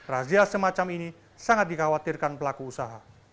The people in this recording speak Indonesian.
razia semacam ini sangat dikhawatirkan pelaku usaha